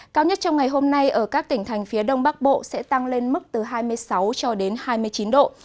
cao nhất trong ngày hôm nay ở các tỉnh thành phía đông bắc bộ sẽ tăng lên mức từ hai mươi sáu cho đến hai mươi chín độ